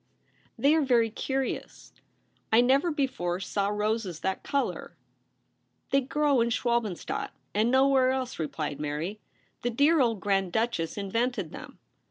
' They are very curious ; I never before saw roses that colour.* ' They grow In Schwalbenstadt, and no where else/ replied Mary. ' The dear old Grand Duchess Invented them.